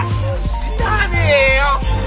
知らねえよ。